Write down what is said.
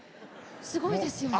すごいですよね。